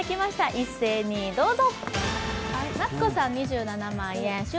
一斉にどうぞ。